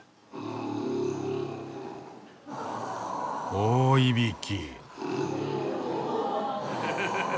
大いびき。